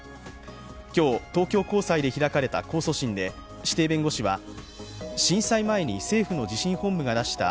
今日、東京高裁で開かれた控訴審で指定弁護士は、震災前に政府の地震本部が出した